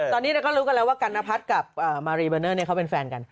ตอนนี้เราก็รู้กันแล้วว่ากันนพัฒน์กับมารีเบอร์เนอร์เขาเป็นแฟนกัน